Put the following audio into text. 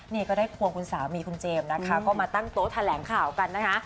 นี่ก็ได้ควงคุณสามีคุณเจมส์นะคะก็มาตั้งโต๊ะแถลงข่าวกันนะคะ